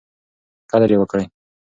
قدر یې وکړئ.